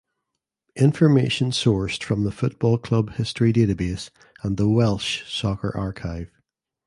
Information sourced from the Football Club History Database and the Welsh Soccer Archive.